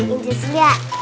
nah inge lihat